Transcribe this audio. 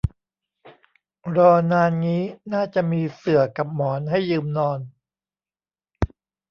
รอนานงี้น่าจะมีเสื่อกับหมอนให้ยืมนอน